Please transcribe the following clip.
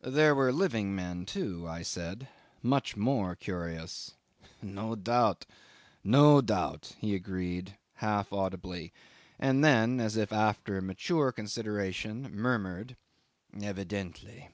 '"There were living men too," I said; "much more curious." '"No doubt, no doubt," he agreed half audibly, then, as if after mature consideration, murmured, "Evidently."